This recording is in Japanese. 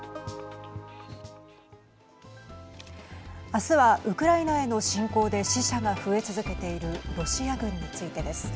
あすは、ウクライナへの侵攻で死者が増え続けているロシア軍についてです。